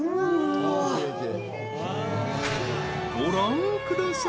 ご覧ください！